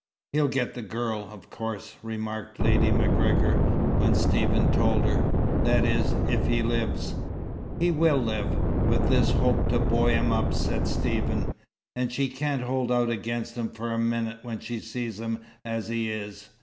"He'll get the girl, of course," remarked Lady MacGregor, when Stephen told her. "That is, if he lives." "He will live, with this hope to buoy him up," said Stephen. "And she can't hold out against him for a minute when she sees him as he is.